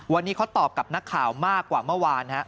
วันนี้เขาตอบกับนักข่าวมากกว่าเมื่อวาน